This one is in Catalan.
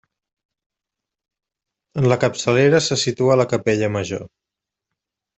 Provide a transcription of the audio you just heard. En la capçalera se situa la capella major.